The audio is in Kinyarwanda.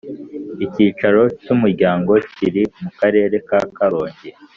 Icyicaro cyUmuryango kiri mu Karere ka Karongi